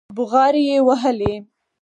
بوغارې يې وهلې.